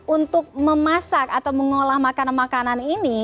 untuk memasak atau mengolah makanan makanan ini